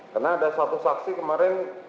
karena ada satu saksi kemarin